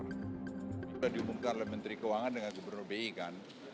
sudah diumumkan oleh menteri keuangan dengan gubernur bi kan